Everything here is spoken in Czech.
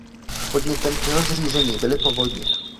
Podnětem k jeho zřízení byly povodně.